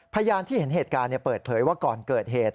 พยานที่เห็นเหตุการณ์เปิดเผยว่าก่อนเกิดเหตุ